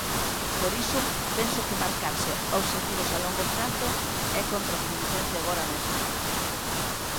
Por iso penso que marcarse obxectivos a longo prazo é contraproducente agora mesmo.